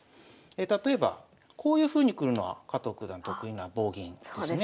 例えばこういうふうに来るのは加藤九段得意な棒銀ですね。